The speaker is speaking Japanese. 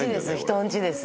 人んちです